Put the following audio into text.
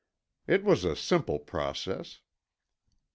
It was a simple process.